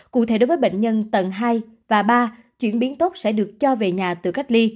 cụ thể đối với bệnh nhân tầng hai và ba chuyển biến tốt sẽ được cho về nhà từ cách ly